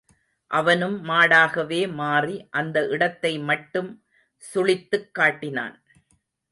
அவனும் மாடாகவே மாறி, அந்த இடத்தை மட்டும் சுளித்துக் காட்டினான்.